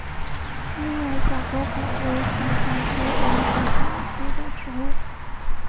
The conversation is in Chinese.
黑叶小驳骨为爵床科洋爵床属的植物。